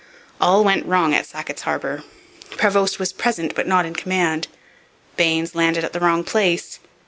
All went wrong at Sackett's Harbour. Prevost was 'present but not in command'; Baynes landed at the wrong place.